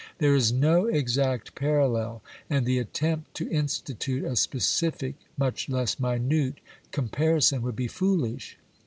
There is no exact parallel, and the attempt to institute a specific, much less minute, comparison would be foolish.